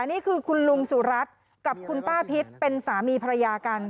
นี่คือคุณลุงสุรัตน์กับคุณป้าพิษเป็นสามีภรรยากัน